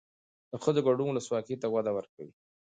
د ښځو ګډون ولسواکۍ ته وده ورکوي.